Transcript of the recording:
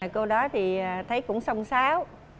cô đó thì thấy cũng song sáo